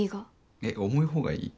え重い方がいい？